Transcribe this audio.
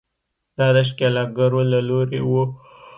دا د ښکېلاکګرو له لوري وو.